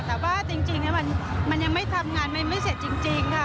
แต่ว่าจริงมันยังไม่ทำงานไม่เสร็จจริงค่ะ